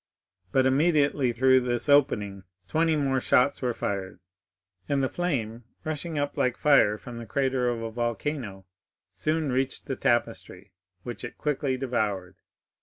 But immediately through this opening twenty more shots were fired, and the flame, rushing up like fire from the crater of a volcano, soon reached the tapestry, which it quickly devoured.